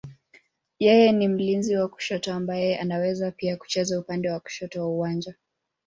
Yeye ni mlinzi wa kushoto ambaye anaweza pia kucheza upande wa kushoto wa uwanja.